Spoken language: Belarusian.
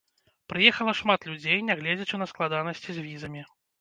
Прыехала шмат людзей, нягледзячы на складанасці з візамі.